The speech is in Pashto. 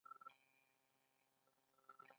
مصنوعي لغتونه تصویر نه لري.